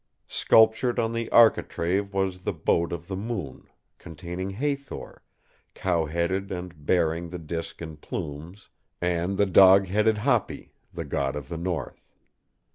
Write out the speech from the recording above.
Sculptured on the architrave was the Boat of the Moon, containing Hathor, cow headed and bearing the disk and plumes, and the dog headed Hapi, the God of the North.